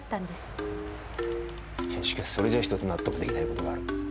しかしそれじゃあ１つ納得出来ない事がある。